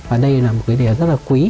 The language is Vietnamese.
và đây là một cái điều rất là quý